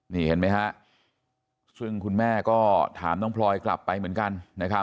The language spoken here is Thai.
นี่เห็นไหมฮะซึ่งคุณแม่ก็ถามน้องพลอยกลับไปเหมือนกัน